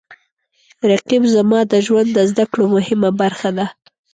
رقیب زما د ژوند د زده کړو مهمه برخه ده